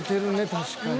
確かに」